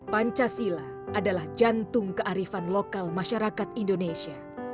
pancasila adalah jantung kearifan lokal masyarakat indonesia